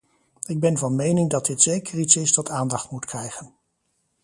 Ik ben van mening dat dit zeker iets is dat aandacht moet krijgen.